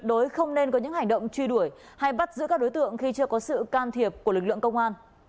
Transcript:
đối không nên có những hành động truy đuổi hay bắt giữ các đối tượng khi chưa có sự can thiệp của lực lượng công an